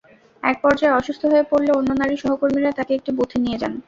একপর্যায়ে অসুস্থ হয়ে পড়লে অন্য নারী সহকর্মীরা তাঁকে একটি বুথে নিয়ে যান।